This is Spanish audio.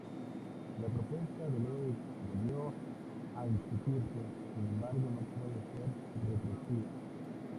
La propuesta de ley volvió a discutirse, sin embargo no puede ser retroactiva.